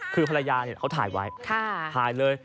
คือภรรยาเขาถ่ายไว้ถ่ายเลย